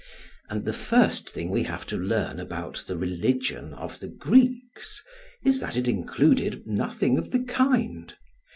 And the first thing we have to learn about the religion of the Greeks is that it included nothing of the kind.